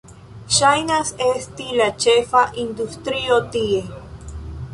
Ŝajnas esti la ĉefa industrio tie.